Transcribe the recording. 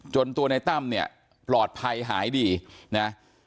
ตัวในตั้มเนี่ยปลอดภัยหายดีนะ